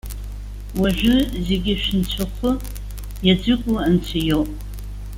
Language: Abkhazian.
Уажәы, зегьы шәынцәахәы, иаӡәыку Анцәа иоуп.